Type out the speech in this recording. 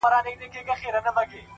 فکر وضاحت ګډوډي ختموي!